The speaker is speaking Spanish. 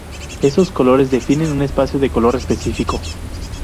Esos colores definen un espacio de color específico.